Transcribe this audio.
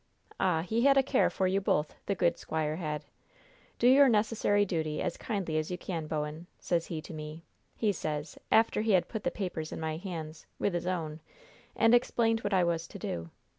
Ah, he had a care for you both, the good squire had. 'Do your necessary duty as kindly as you can, Bowen,' says he to me, he says, after he had put the papers in my hands with his own, and explained what I was to do.